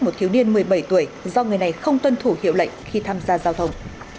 một thiếu niên một mươi bảy tuổi do người này không tuân thủ hiệu lệnh khi tham gia giao thông